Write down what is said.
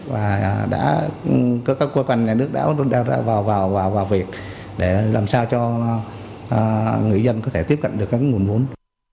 và các cơ quan nhà nước đã vào việc để làm sao cho người dân có thể tiếp cận được các nguồn vốn